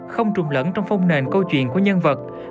không trùng lẫn trong phong nền câu chuyện của nhân vật